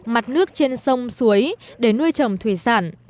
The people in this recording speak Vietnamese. mặt nước trên sông suối để nuôi trồng thủy sản